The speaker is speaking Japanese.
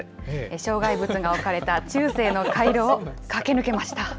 障害物が置かれた中世の回廊を駆け抜けました。